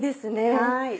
はい。